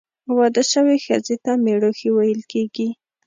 واده سوي ښځي ته، مړوښې ویل کیږي.